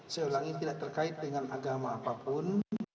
seulangi tidak terkait dengan agama apapun